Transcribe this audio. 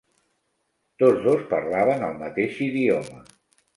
Tots dos parlaven el mateix idioma.